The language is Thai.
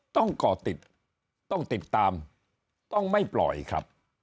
ก่อติดต้องติดตามต้องไม่ปล่อยครับ